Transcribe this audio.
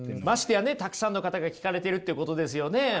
ましてやねたくさんの方が聞かれてるってことですよね？